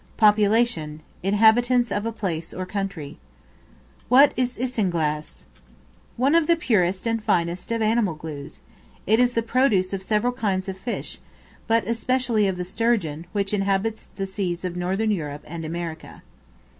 Population, inhabitants of a place or country. What is Isinglass? One of the purest and finest of animal glues. It is the produce of several kinds of fish, but especially of the sturgeon, which inhabits the seas of Northern Europe and America.